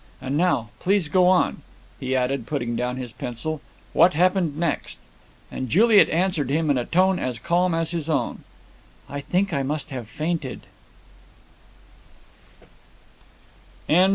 And now, please, go on," he added, putting down his pencil; "what happened next?" And Juliet answered him in a tone as calm as his own: "I think I must have fainted."